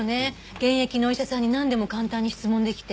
現役のお医者さんになんでも簡単に質問できて。